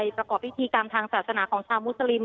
ประกอบพิธีกรรมทางศาสนาของชาวมุสลิม